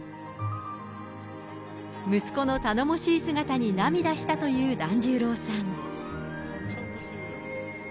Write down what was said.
息子の頼もしい姿に涙したという團十郎さん。